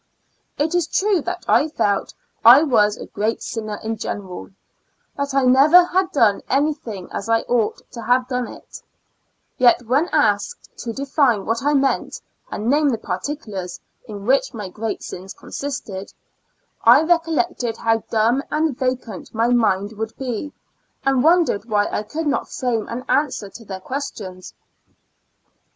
It is true that I felt that I was a great sinner in general ; that I never had done anything as I ought to have done it ; yet when asked to define what I meant, and name the particulars in which my great sins consisted, I recollect how dumb and vacant my mind would be, and wondered why I could not frame an answer to their questions.